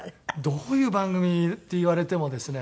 どういう番組って言われてもですね。